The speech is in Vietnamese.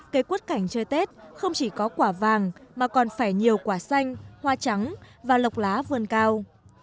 cây quất cảnh chơi tết không chỉ có quả vàng mà còn phải nhiều quả xanh hoa trắng và lộc lá vươn cao